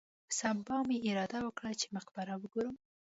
په سبا مې اراده وکړه چې مقبره وګورم.